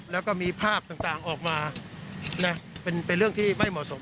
แล้วก็มีภาพต่างออกมาเป็นเรื่องที่ไม่เหมาะสม